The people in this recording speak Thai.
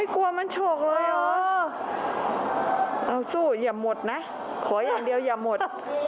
ขออย่างเดียวอย่าหมด